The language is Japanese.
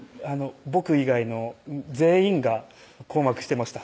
僕以外の全員が困惑してました